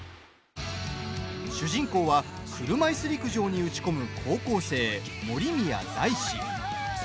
主人公は車いす陸上に打ち込む高校生、森宮大志。